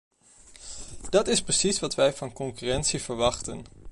Dat is precies wat wij van concurrentie verwachten.